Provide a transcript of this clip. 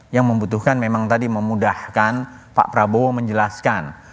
yang membutuhkan memang tadi memudahkan pak prabowo menjelaskan